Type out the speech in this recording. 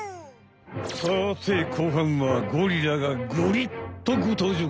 さて後半はゴリラがゴリッとご登場。